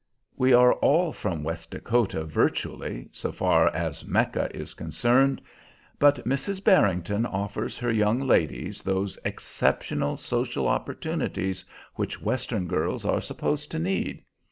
"We are all from West Dakota virtually, so far as Mecca is concerned. But Mrs. Barrington offers her young ladies those exceptional social opportunities which Western girls are supposed to need.